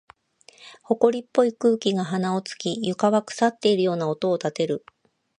埃っぽい空気が鼻を突き、床は腐っているような音を立てる。